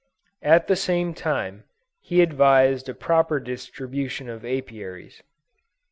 At the same time, he advised a proper distribution of Apiaries.